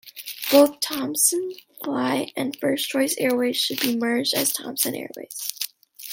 Both Thomsonfly and First Choice Airways would be merged as Thomson Airways.